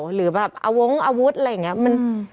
หรือแบบอาวงอาวุธอะไรอย่างนี้